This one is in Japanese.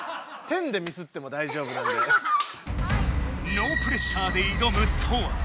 ＮＯプレッシャーで挑むトア。